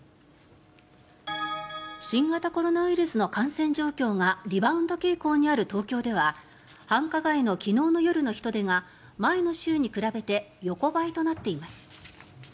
新型コロナウイルスの感染状況がリバウンド傾向にある東京では繁華街の昨日の夜の人出が前の週に比べて横ばいとなっています。